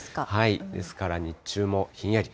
ですから、日中もひんやり。